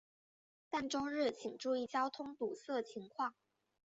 但周日请注意交通堵塞情况。